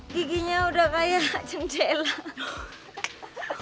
giginya udah kayak jendela